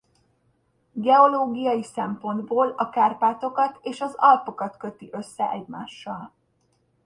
Geológiai szempontból a Kárpátokat és az Alpokat köti össze egymással.